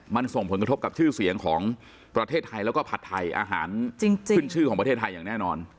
มันส่งผลกระทบกับชื่อเสียงของประเทศไทยแล้วก็ผัดไทยอาหารขึ้นชื่อของประเทศไทยอย่างแน่นอน